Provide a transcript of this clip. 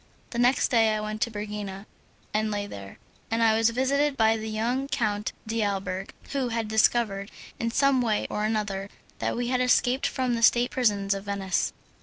The next day I went to Pergina and lay there, and was visited by a young Count d'Alberg, who had discovered, in some way or another, that we had escaped from the state prisons of Venice.